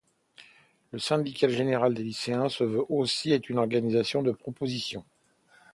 Le Syndicat général des lycéens se veut aussi être une organisation de propositions.